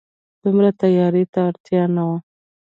دومره تياري ته اړتيا نه وه